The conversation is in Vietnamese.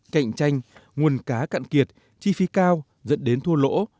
cạnh tranh nguồn cá cạn kiệt chi phí cao dẫn đến thua lỗ